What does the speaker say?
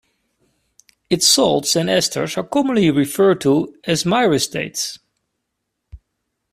Its salts and esters are commonly referred to as myristates.